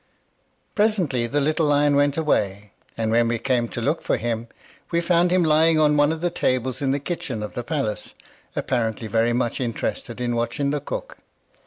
Presently the little lion went away, and when we came to look for him, we found him lying on one of the tables in the kitchen of the palace, apparently very much interested in watching the cook.